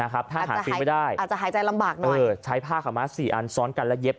นะครับถ้าหาฟีไม่ได้อาจจะหายใจลำบากหน่อยใช้ผ้าขาวม้าสี่อันซ้อนกันแล้วเย็บ